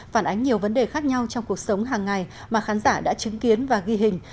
phản ánh nhiều vấn đề khác nhau trong cuộc sống hàng ngày mà khán giả đã chứng kiến và ghi hình